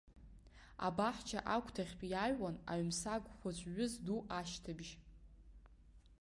Абаҳча агәҭахьтә иааҩуан аҩмсаг хәыҵә ҩыз ду ашьҭыбжь.